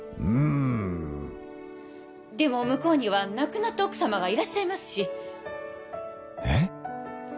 うーんでも向こうには亡くなった奥様がいらっしゃいますしえっ？